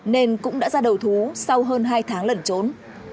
nên cũng đã ra đầu thú sau hơn hai tháng lẩn trốn